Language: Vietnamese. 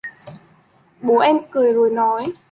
Bố em cười rồi nói